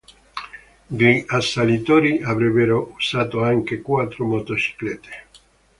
Gli assalitori avrebbero usato anche quattro motociclette.